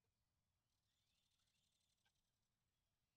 Artifizialki, hau da, gizakiaren eraginez ere alda daiteke uraren egoera.